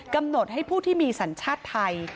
กำหนดให้ผู้ที่มีสัญชาติไทย